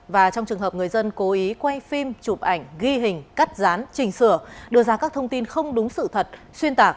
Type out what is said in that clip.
và trong trường hợp người dân cố ý quay phim chụp ảnh ghi hình cắt rán chỉnh sửa đưa ra các thông tin không đúng sự thật xuyên tạc